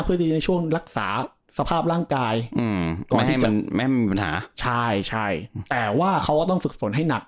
เพื่อจะในช่วงรักษาสภาพร่างกายอืมก็ไม่ให้มันไม่มีปัญหาใช่ใช่แต่ว่าเขาก็ต้องฝึกฝนให้หนัก